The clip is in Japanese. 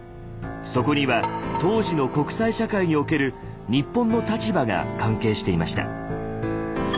そこには当時の国際社会における日本の立場が関係していました。